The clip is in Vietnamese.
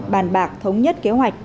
bàn bạc thống nhất kế hoạch